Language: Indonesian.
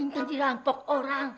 intan dirampok orang